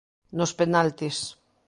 Nos penaltis.